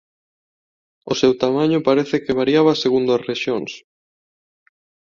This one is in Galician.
O seu tamaño parece que variaba segundo as rexións.